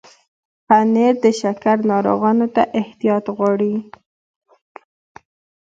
پنېر د شکر ناروغانو ته احتیاط غواړي.